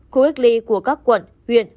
khu ích ly của các quận huyện